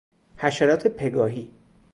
حشرات پگاهی